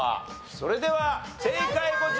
それでは正解こちら。